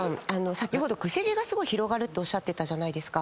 先ほどくせ毛がすごい広がるっておっしゃってたじゃないですか。